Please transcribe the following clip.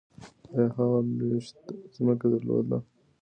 ایا هغه لویشت ځمکه درلوده؟